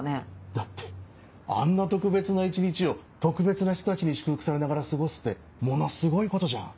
だってあんな特別な一日を特別な人たちに祝福されながら過ごすってものすごいことじゃん。